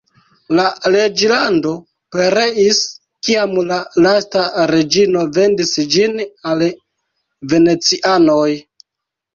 La reĝlando pereis, kiam la lasta reĝino vendis ĝin al venecianoj.